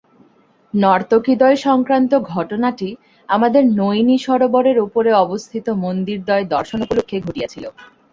নর্তকীদ্বয়-সংক্রান্ত ঘটনাটি আমাদের নৈনী-সরোবরের উপরে অবস্থিত মন্দিরদ্বয় দর্শন উপলক্ষে ঘটিয়াছিল।